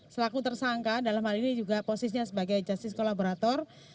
selaku tersangka dalam hal ini juga posisinya sebagai justice kolaborator